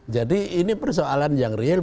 jadi ini persoalan yang real